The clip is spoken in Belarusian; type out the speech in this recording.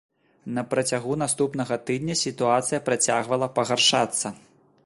На працягу наступнага тыдня сітуацыя працягвала пагаршацца.